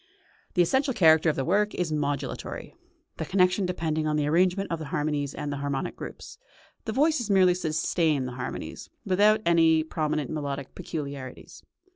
The essential character of the work is modulatory, the connection depending on the arrangement of the harmonies and the harmonic groups; the voices merely sustain the harmonies, without any prominent melodic peculiarities.